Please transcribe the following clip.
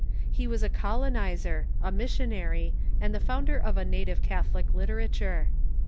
He was a colonizer, a mission ary, and the founder of a native Catholic literature.